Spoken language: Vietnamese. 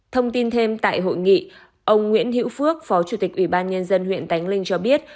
thông tin thêm tại hội nghị ông nguyễn hiễu phước phó chủ tịch ủy ban nhân dân huyện tánh linh cho biết